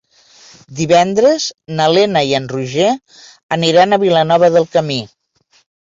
Divendres na Lena i en Roger aniran a Vilanova del Camí.